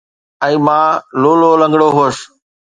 ۽ مان لولا لنگڙو هوس